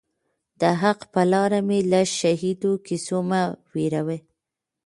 د حق پر لار می له شهیدو کیسو مه وېروه